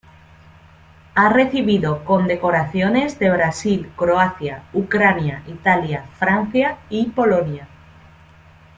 Ha recibido condecoraciones de Brasil, Croacia, Ucrania, Italia, Francia y Polonia.